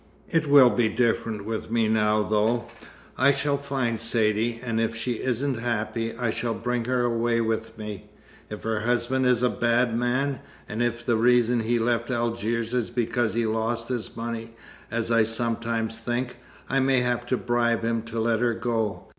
It will be different with me now, though. I shall find Saidee, and if she isn't happy, I shall bring her away with me. If her husband is a bad man, and if the reason he left Algiers is because he lost his money, as I sometimes think, I may have to bribe him to let her go.